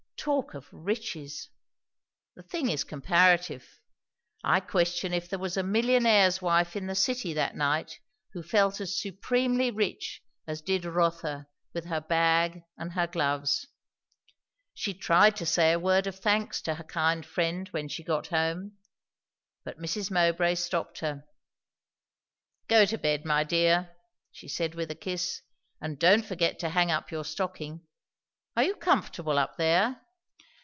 Talk of riches! The thing is comparative. I question if there was a millionaire's wife in the city that night who felt as supremely rich as did Rotha with her bag and her gloves. She tried to say a word of thanks to her kind friend when she got home; but Mrs. Mowbray stopped her. "Go to bed, my dear," she said, with a kiss, "and don't forget to hang up your stocking. Are you comfortable up there?"